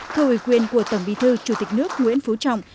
theo ủy quyền của tầng bì thư chủ tịch nước nguyễn phú trọng